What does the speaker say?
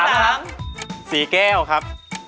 ไอโถไอเปี๊ยกไอเท่งครับ